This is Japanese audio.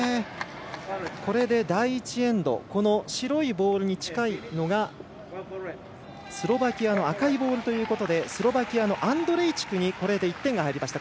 これで第１エンド白いボールに近いのが、スロバキアの赤いボールということでスロバキアのアンドレイチクにこれで１点が入りました。